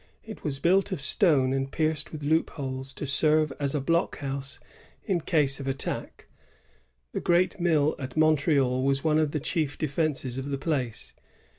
It was built of stone and pierced with loopholes, to serve as a blockhouse in case of attack. The great mill at Montreal was one of the chief defences of the place.